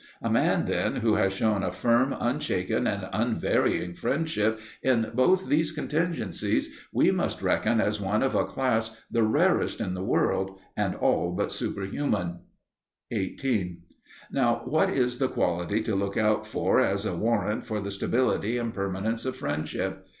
A man, then, who has shewn a firm, unshaken, and unvarying friendship in both these contingencies we must reckon as one of a class the rarest in the world, and all but superhuman. 18. Now, what is the quality to look out for as a warrant for the stability and permanence of friendship?